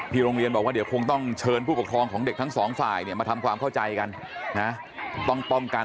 โรงเรียนบอกว่าเดี๋ยวคงต้องเชิญผู้ปกครองของเด็กทั้งสองฝ่ายเนี่ยมาทำความเข้าใจกันนะต้องป้องกัน